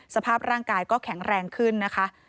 สภาพร่างกายก็แข็งแรงขึ้นนะคะ